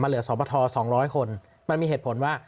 มาเหลือสปฐ๒๐๐คนมันมีเหตุผลว่า